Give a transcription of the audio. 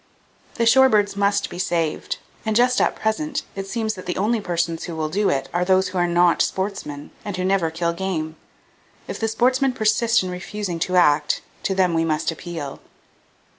The shore birds must be saved; and just at present it seems that the only persons who will do it are those who are not sportsmen, and who never kill game! If the sportsmen persist in refusing to act, to them we must appeal.